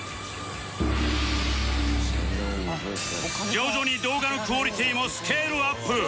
徐々に動画のクオリティもスケールアップ！